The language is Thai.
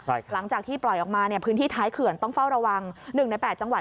หลังจากที่ปล่อยออกมาเนี่ยพื้นที่ท้ายเขื่อนต้องเฝ้าระวัง๑ใน๘จังหวัด